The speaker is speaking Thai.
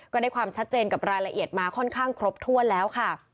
ได้ความชัดเจนกับรายละเอียดมาค่อนข้างครบถ้วนแล้วค่ะ